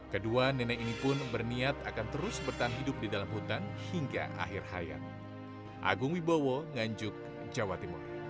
kedua nenek ini pun berniat akan terus bertahan hidup di dalam hutan hingga akhir hayat